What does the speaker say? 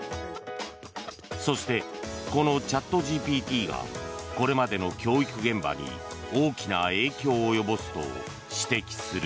そして、このチャットＧＰＴがこれまでの教育現場に大きな影響を及ぼすと指摘する。